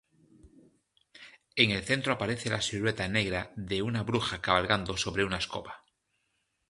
En el centro aparece la silueta negra de una bruja cabalgando sobre una escoba.